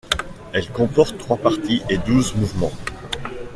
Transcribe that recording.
Elle comporte trois parties et douze mouvements.